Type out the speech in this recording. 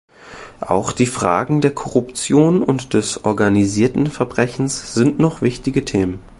Auch die Fragen der Korruption und des organisierten Verbrechens sind noch wichtige Themen.